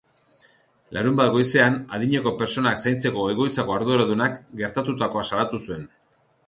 Larunbat goizean, adineko pertsonak zaintzeko egoitzako arduradunak gertatutakoa salatu zuen.